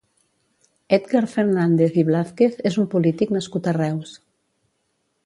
Edgar Fernández i Blázquez és un polític nascut a Reus.